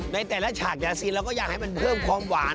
ในแต่ละถ้ายังหมดเราก็อยากให้มันเพิ่มความหวาด